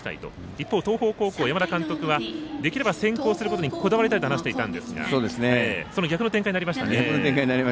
一方、東邦高校の山田監督はできれば先攻することにこだわりたいと話していたんですがその逆の展開になりましたね。